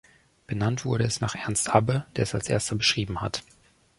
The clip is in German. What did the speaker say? Benannt wurde es nach Ernst Abbe, der es als Erster beschrieben hat.